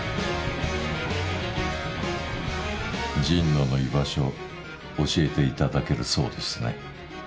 神野の居場所教えていただけるそうですね。